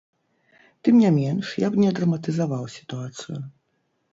Тым не менш, я б не драматызаваў сітуацыю.